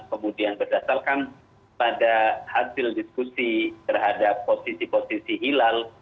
kemudian berdasarkan pada hasil diskusi terhadap posisi posisi hilal